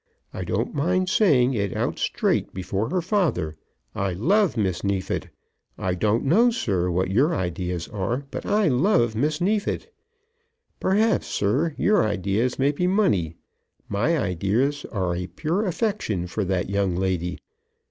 I don't mind saying it out straight before her father. I love Miss Neefit! I don't know, sir, what your ideas are; but I love Miss Neefit! Perhaps, sir, your ideas may be money; my ideas are a pure affection for that young lady.